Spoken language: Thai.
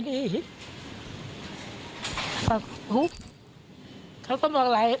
สิ่งหน้าเขาไม่ดี